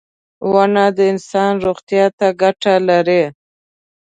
• ونه د انسان روغتیا ته ګټه لري.